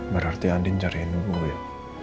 berarti andien nyariin gue ya